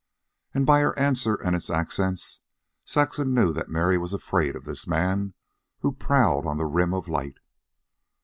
And by her answer and its accents Saxon knew that Mary was afraid of this man who prowled on the rim of light.